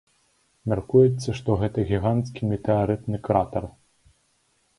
Мяркуецца, што гэта гіганцкі метэарытны кратар.